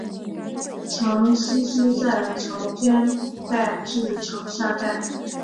常栖息在潮间带至潮下带。